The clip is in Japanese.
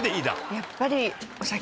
やっぱり。